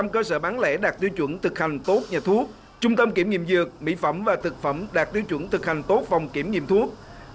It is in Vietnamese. một trăm linh cơ sở bán lẻ đạt tiêu chuẩn thực hành tốt nhà thuốc trung tâm kiểm nghiệm dược mỹ phẩm và thực phẩm đạt tiêu chuẩn thực hành tốt phòng kiểm nghiệm thuốc